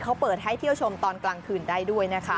เขาเปิดให้เที่ยวชมตอนกลางคืนได้ด้วยนะคะ